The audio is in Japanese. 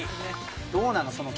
どうなの？